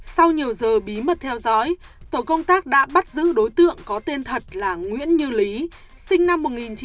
sau nhiều giờ bí mật theo dõi tổ công tác đã bắt giữ đối tượng có tên thật là nguyễn như lý sinh năm một nghìn chín trăm tám mươi